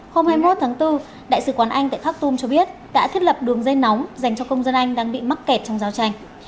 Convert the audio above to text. hôm hai mươi một tháng bốn đại sứ quán anh tại khat tum cho biết đã thiết lập đường dây nóng dành cho công dân anh đang bị mắc kẹt trong giao tranh